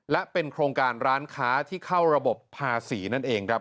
และเป็นโครงการร้านค้าที่เข้าระบบภาษีนั่นเองครับ